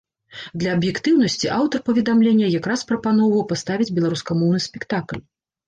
Для аб'ектыўнасці, аўтар паведамлення якраз прапаноўваў паставіць беларускамоўны спектакль.